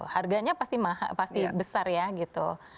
harganya pasti besar ya gitu